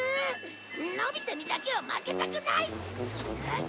のび太にだけは負けたくない！